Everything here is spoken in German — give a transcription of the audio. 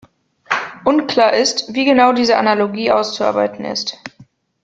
Unklar ist, wie genau diese Analogie auszuarbeiten ist.